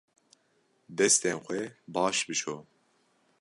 Destên xwe baş bişo.